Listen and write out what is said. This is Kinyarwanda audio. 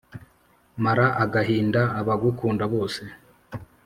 mara agahinda abagukunda bose